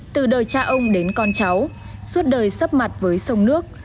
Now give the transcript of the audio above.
từ đời cha ông đến con cháu suốt đời sắp mặt với sông nước